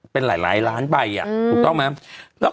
เป็นการกระตุ้นการไหลเวียนของเลือด